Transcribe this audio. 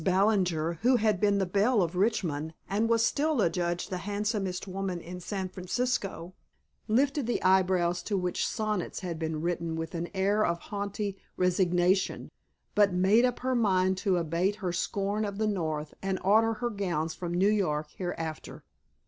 Ballinger, who had been the belle of Richmond and was still adjudged the handsomest woman in San Francisco, lifted the eyebrows to which sonnets had been written with an air of haughty resignation; but made up her mind to abate her scorn of the North and order her gowns from New York hereafter.